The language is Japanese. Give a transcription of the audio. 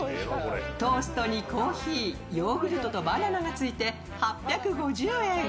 トーストにコーヒー、ヨーグルトとバナナがついて８５０円。